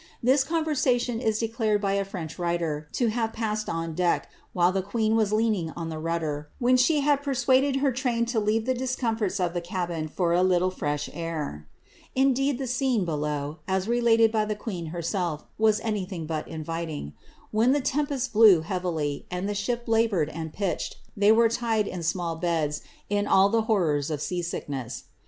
This conversation is declared by a French writer to have passed ob deck, while the queen was leaning on the rudder, when she luid per suaded her train to leave the discomforts of the cabin for a little freih , air.' Indeed, the scene below, as related by the queen herself, was any thing but inviting. When the tempest blew heavily, and the ship U boured and pitched, they were tied in small beds, in all the horrors of sea sickness.